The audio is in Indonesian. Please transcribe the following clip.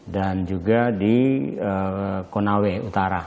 dan juga di konawe utara